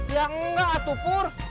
ya enggak atuh pur